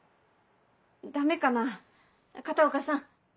ダメかな片岡さん。